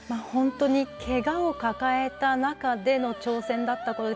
本当にけがを抱えた中での挑戦だった。